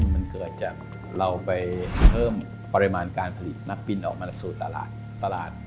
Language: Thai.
มันเกิดจากเราไปเพิ่มปริมาณการผลิตนักบินออกมาสู่ตลาดตลาด